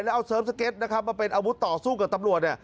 แล้วเอาเซิร์ฟสเก็ตนะครับมาเป็นอาวุธต่อสู้กับตำรวจ